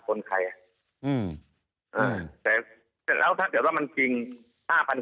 คนใครอ่ะอืมอ่าแต่แล้วถ้าเกิดว่ามันจริงห้าพัน